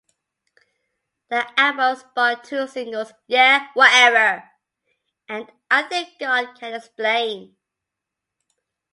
The album spawned two singles, "Yeah, Whatever" and "I Think God Can Explain".